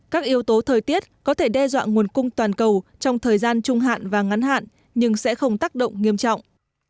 các yếu tố thời tiết có thể đe dọa nguồn cung toàn cầu trong thời gian trung hạn và ngắn hạn nhưng sẽ không tác động nghiêm trọng